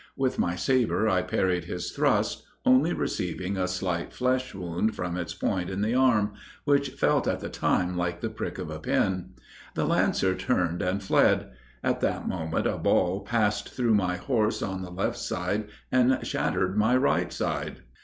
With my sabre I parried his thrust, only receiving a slight flesh wound from its point in the arm, which felt at the time like the prick of a pin. The lancer turned and fled; at that moment a ball passed through my horse on the left side and shattered my right side.